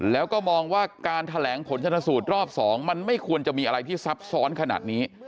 แล้วก็มองว่าการแถลงผลชนสูตรรอบ๒มันไม่ควรจะมีอะไรที่ซับซ้อนขนาดนี้